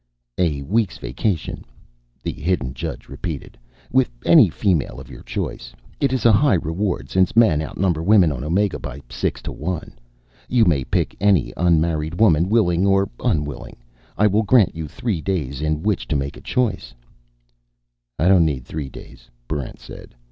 "A week's vacation," the hidden judge repeated, "with any female of your choice. It is a high reward, since men outnumber women on Omega by six to one. You may pick any unmarried woman, willing or unwilling. I will grant you three days in which to make a choice." "I don't need three days," Barrent said.